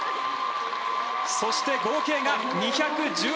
そして、合計が２１７．４３。